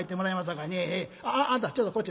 あんたちょっとこっち